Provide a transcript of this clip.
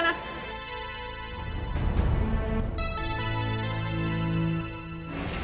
nyari tapi emosi